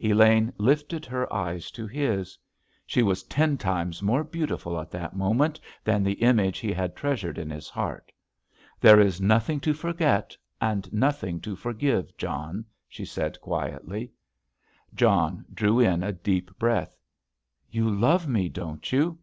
Elaine lifted her eyes to his. She was ten times more beautiful at that moment than the image he had treasured in his heart. "There is nothing to forget, and nothing to forgive, John," she said quietly. John drew in a deep breath. "You love me, don't you?"